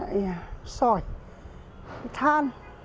cát sỏi than